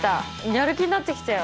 やる気になってきたよ！